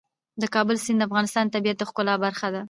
د کابل سیند د افغانستان د طبیعت د ښکلا برخه ده.